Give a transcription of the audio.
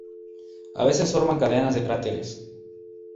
A veces forman cadenas de cráteres.